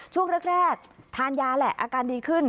ช่วงแรกทานยาแหละอาการดีขึ้น